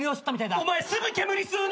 お前すぐ煙吸うな！